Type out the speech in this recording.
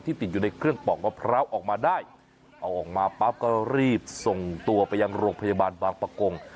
ติดอยู่ในเครื่องปอกมะพร้าวออกมาได้เอาออกมาปั๊บก็รีบส่งตัวไปยังโรงพยาบาลบางประกง